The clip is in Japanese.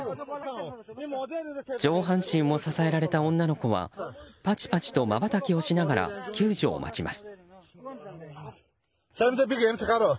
上半身を支えられた女の子はパチパチとまばたきをしながら救助を待ちます。